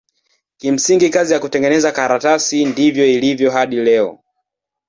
Kimsingi kazi ya kutengeneza karatasi ndivyo ilivyo hadi leo.